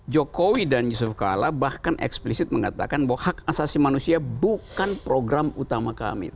jokowi dan yusuf kala bahkan eksplisit mengatakan bahwa hak asasi manusia bukan program utama kami